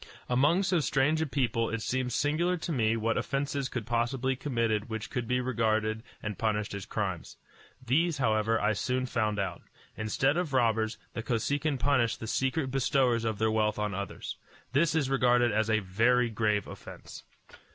Among so strange a people it seemed singular to me what offences could possibly be committed which could be regarded and punished as crimes. These, however, I soon found out. Instead of robbers, the Kosekin punished the secret bestowers of their wealth on others. This is regarded as a very grave offence.